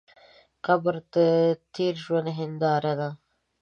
قبر د تېر ژوند هنداره ده.